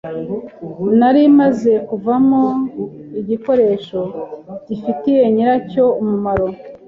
nari maze kuvamo igikoresho gifitiye nyiracyo umumaro